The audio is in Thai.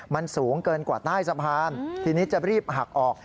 มันสูงเกินกว่าใต้สะพานทีนี้จะรีบหักออก